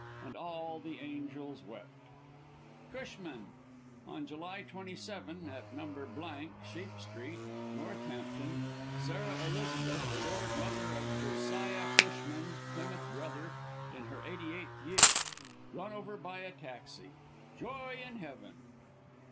And all the Angels wept! CUSHMAN. On July 27, at No. Sheep Street, Northampton, Sarah Elizabeth, adored mother of Josiah Cushman, Plymouth Brother, in her 88th year. Run over by a taxi. Joy in Heaven!